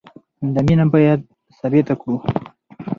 دا مینه باید ثابته کړو.